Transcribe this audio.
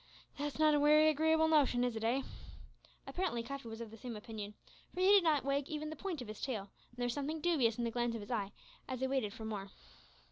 That's not a wery agreeable notion, is it, eh?" Apparently Cuffy was of the same opinion, for he did not wag even the point of his tail, and there was something dubious in the glance of his eye as he waited for more.